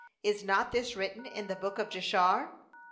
Is not this written in the book of Jashar?